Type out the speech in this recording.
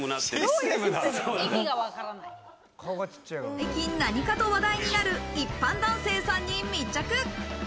最近、何かと話題になる一般男性さんに密着。